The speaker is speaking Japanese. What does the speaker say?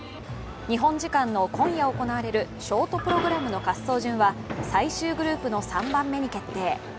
日本時間の今夜行われるショートプログラムの滑走順は最終グループの３番目に決定。